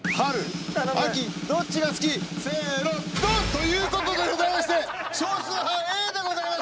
ということでございまして少数派はＡでございました。